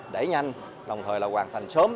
để nhanh đồng thời là hoàn thành sớm